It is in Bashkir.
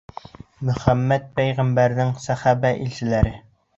Мөхәммәт пәйғәмбәрҙең сәхәбә-илселәре;